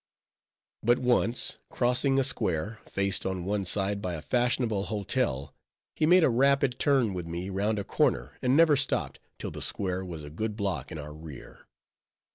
But once, crossing a square, faced on one side by a fashionable hotel, he made a rapid turn with me round a corner; and never stopped, till the square was a good block in our rear.